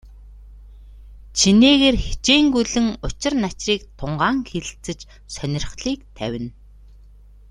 Чинээгээр хичээнгүйлэн учир начрыг тунгаан хэлэлцэж, сонирхлыг тавина.